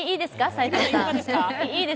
齋藤さん。